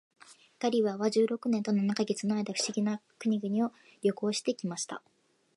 ガリバーは十六年と七ヵ月の間、不思議な国々を旅行して来ました。